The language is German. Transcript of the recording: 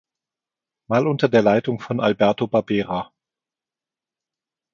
Mal unter der Leitung von Alberto Barbera.